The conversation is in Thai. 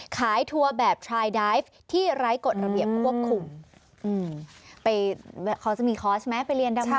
ทัวร์แบบทรายไดฟ์ที่ไร้กฎระเบียบควบคุมไปเขาจะมีคอร์สไหมไปเรียนดำ